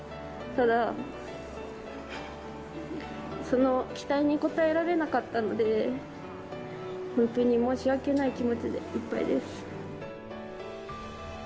ただ、その期待に応えられなかったので、本当に申し訳ない気持ちでいっぱいです。